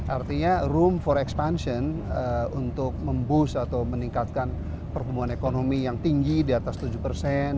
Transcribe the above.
artinya room for expansion untuk memboost atau meningkatkan pertumbuhan ekonomi yang tinggi di atas tujuh persen